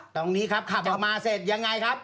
ตรงนี้ครับขับออกมาเสร็จยังไงครับ